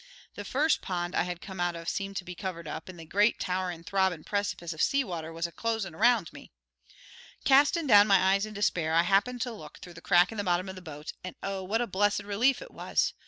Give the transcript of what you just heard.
The first pond I had come out of seemed to be covered up, and the great, towerin', throbbin' precipice of sea water was a closin' around me. "Castin' down my eyes in despair, I happened to look through the crack in the bottom of the boat, and oh, what a blessed relief it was!